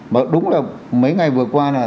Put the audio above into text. mà đúng là mấy ngày vừa qua